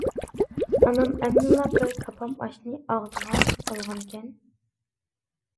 ئانام ئەمدىلا بىر كاپام ئاشنى ئاغزىغا سالغانىكەن.